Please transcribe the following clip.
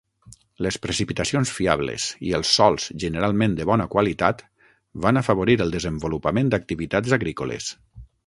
Les precipitacions fiables i els sòls generalment de bona qualitat van afavorir el desenvolupament d'activitats agrícoles.